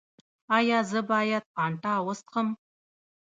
ایا زه باید فانټا وڅښم؟